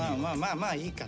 まあいいか。